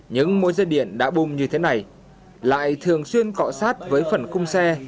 nhưng mỗi dây điện đã bùng như thế này lại thường xuyên cọ sát với phần cung xe